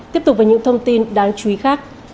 tiếp tục với những thông tin đáng chú ý khác